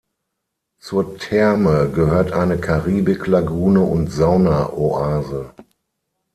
Zur Therme gehört eine Karibik-Lagune und Sauna-Oase.